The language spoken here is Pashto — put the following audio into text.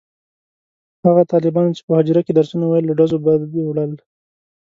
هغه طالبانو چې په حجره کې درسونه ویل له ډزو بد وړل.